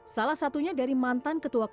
salah satunya dari mantan ketua kpk